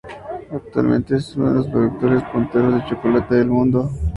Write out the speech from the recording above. Actualmente es uno de los productores punteros de chocolate del mundo.